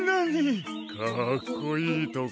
かっこいいとこ。